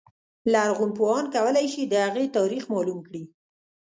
لرغونپوهان کولای شي د هغې تاریخ معلوم کړي.